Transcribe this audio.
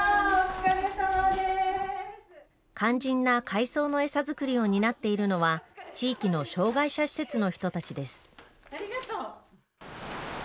肝心な海藻の餌作りを担っているのは、地域の障害者施設の人ありがとう。